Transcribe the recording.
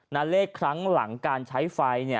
นะเลขทั้งหลังการใช้ไฟเนี่ย